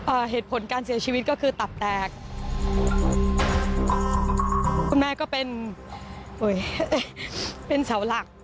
เหตุผลการเสียชีวิตก็คือตับแตกคุณแม่ก็เป็นเอ่ยเป็นเสาหลัก